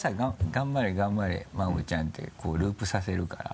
「頑張れ頑張れ真央ちゃん」ってこうループさせるから。